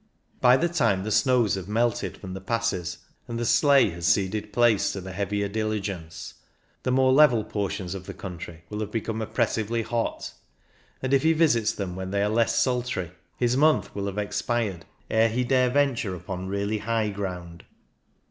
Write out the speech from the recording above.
By the time the snows have melted from the passes, and the sleigh has ceded place to the heavier diligence, the more level portions of the country will have become oppres sively hot, and if he visits them when they are less sultry, his month will have expired ere he dare venture upon really high ground.